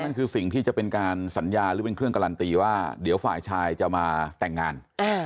นั่นคือสิ่งที่จะเป็นการสัญญาหรือเป็นเครื่องการันตีว่าเดี๋ยวฝ่ายชายจะมาแต่งงาน